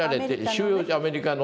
収容所アメリカの。